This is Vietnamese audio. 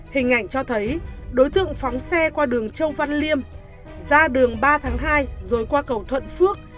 hình ảnh cho thấy đối tượng phóng xe qua đường châu văn liêm ra đường ba tháng hai rồi qua cầu thuận phước